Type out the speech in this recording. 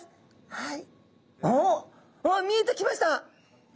はい。